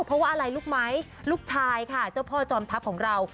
เพราะว่าอะไรรู้ไหมลูกชายค่ะเจ้าพ่อจอมทัพของเรา